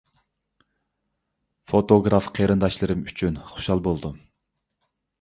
فوتوگراف قېرىنداشلىرىم ئۈچۈن خۇشال بولدۇم.